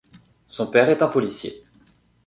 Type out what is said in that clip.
Son père est un policier.